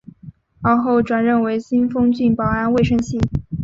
而后转任为新丰郡保安卫生系。